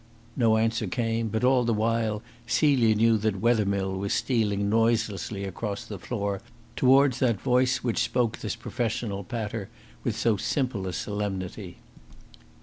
No answer came, but all the while Celia knew that Wethermill was stealing noiselessly across the floor towards that voice which spoke this professional patter with so simple a solemnity.